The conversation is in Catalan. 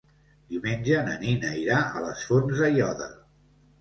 Diumenge na Nina irà a les Fonts d'Aiòder.